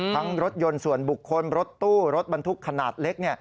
รถยนต์ส่วนบุคคลรถตู้รถบรรทุกขนาดเล็ก